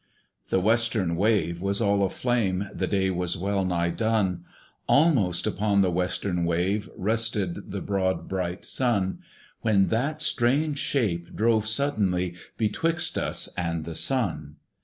The western wave was all a flame The day was well nigh done! Almost upon the western wave Rested the broad bright Sun; When that strange shape drove suddenly Betwixt us and the Sun.